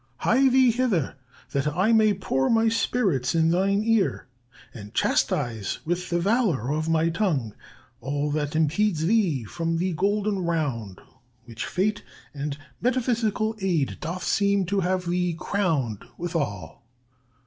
"Hie thee hither, That I may pour my spirits in thine ear, And chastise with the valor of my tongue All that impedes thee from the golden round, Which fate and metaphysical aid doth seem To have thee crown'd withal."